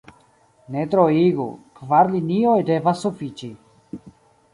Ne troigu: kvar linioj devas sufiĉi.